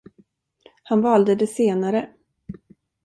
Han valde det senare.